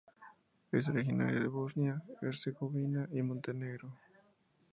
Es originaria de Bosnia y Herzegovina y Montenegro.